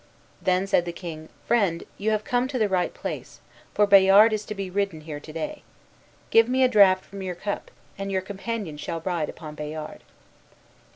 Then said the king, "Friend, you have come to the right place, for Bayard is to be ridden here to day. Give me a draught from your cup, and your companion shall ride upon Bayard."